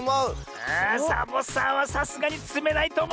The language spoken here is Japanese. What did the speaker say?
あサボさんはさすがにつめないとおもうな！